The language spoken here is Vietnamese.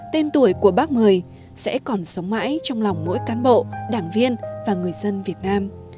tên tuổi của bác mười sẽ còn sống mãi trong lòng mỗi cán bộ đảng viên và người dân việt nam